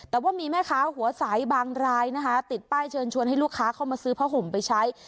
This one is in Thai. แต่ว่ามีแม่ค้าหัวใสบางรายนะคะติดป้ายเชิญชวนให้ลูกค้าเข้ามาซื้อผ้าห่มไปใช้